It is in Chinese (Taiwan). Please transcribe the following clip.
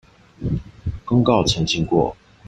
公告澄清過